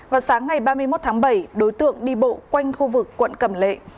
vào sáng ngày ba mươi một tháng bảy đối tượng đi bộ quanh khu vực quận cầm lệ